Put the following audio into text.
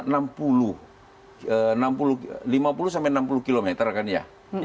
lima puluh sampai enam puluh km kan ya